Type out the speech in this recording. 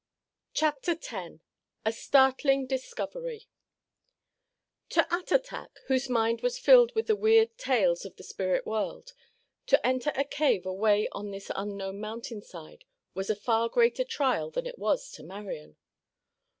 CHAPTER X A STARTLING DISCOVERY To Attatak, whose mind was filled with the weird tales of the spirit world, to enter a cave away on this unknown mountain side was a far greater trial than it was to Marian.